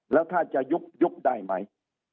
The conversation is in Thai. แล้วถ้าจะยุบได้ไหม